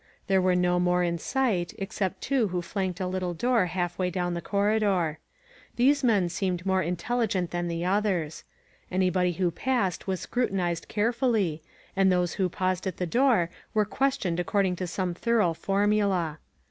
There were no more in sight, except two who flanked a little door half way down the corridor. JThese men seemed more intelli gent than the others. Anybody who passed was scru tinized carefully, and those who paused at the door were questioned according to some thorough formula.